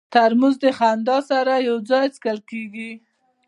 ترموز د خندا سره یو ځای څښل کېږي.